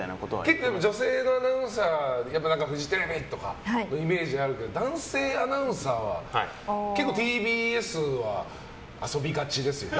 結構、女性のアナウンサーフジテレビとかのイメージがあるけど男性アナウンサーは結構ＴＢＳは遊びがちですよね。